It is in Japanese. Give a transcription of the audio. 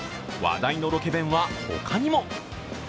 話題のロケ弁はほかにも。